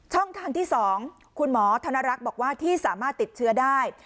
ทางที่๒คุณหมอธนรักษ์บอกว่าที่สามารถติดเชื้อได้